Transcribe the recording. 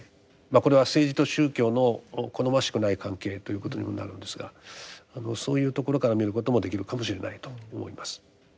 これは政治と宗教の好ましくない関係ということにもなるんですがそういうところから見ることもできるかもしれないと思います。